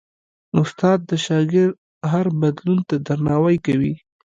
استاد د شاګرد هر بدلون ته درناوی کوي.